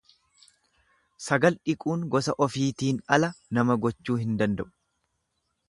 Sagal dhiquun gosa ofiitin ala nama gochuu hin danda'u.